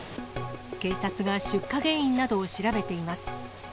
警察が出火原因などを調べています。